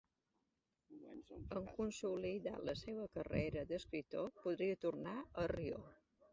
En consolidar la seva carrera d'escriptor, podria tornar a Rio.